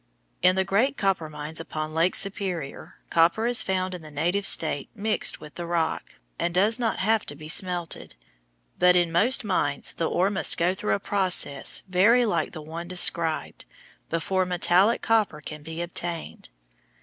In the great copper mines upon Lake Superior, copper is found in the native state mixed with the rock, and does not have to be smelted; but in most mines the ore must go through a process very like the one described before metallic copper can be obtained.